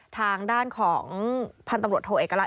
ทางด้านของพันธุ์ตำรวจโทเอกลักษ